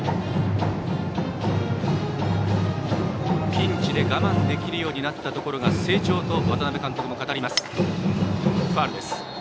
ピンチで我慢できるようになったところが成長だと渡辺監督も語ります。